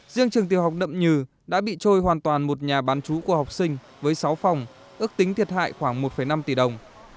riêng trường tiểu học nậm nhừ đã bị trôi hoàn toàn một nhà bán chú của học sinh với sáu phòng ước tính thiệt hại khoảng một năm tỷ đồng